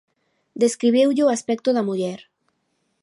Describiulle o aspecto da muller.